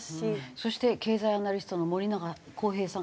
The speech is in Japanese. そして経済アナリストの森永康平さん。